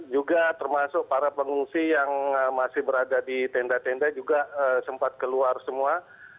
juga termasuk para pengungsi yang masih berada di tenda tenda juga sempat keluar semua